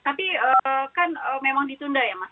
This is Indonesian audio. tapi kan memang ditunda ya mas